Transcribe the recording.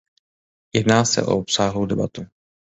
Jedná se o obsáhlou debatu.